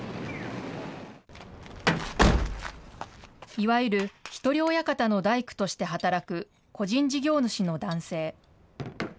いわゆる一人親方の大工として働く、個人事業主の男性。